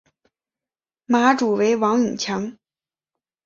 马主为王永强。